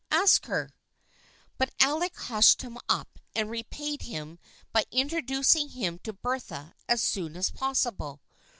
Ask her." But Alec hushed him up, and repaid him by introducing him to Bertha as soon as possible.